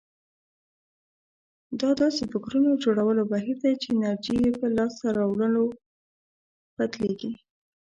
دا داسې فکرونه جوړولو بهير دی چې انرژي يې په لاسته راوړنو بدلېږي.